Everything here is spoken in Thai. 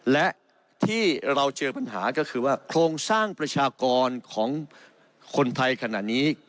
และที่เราเจอปัญหาก็คือว่าโครงสร้างประชากรของคนไทยขณะนี้